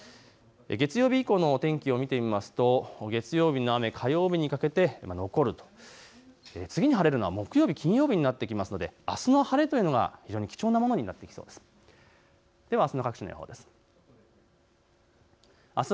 月曜日以降のお天気を見てみますと月曜日の雨、火曜日にかけて残る、次に晴れるのは木曜日、金曜日になってきますので、あすの晴れというのが貴重なものになってきます。